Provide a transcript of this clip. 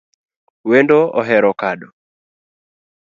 Wendo ohero kado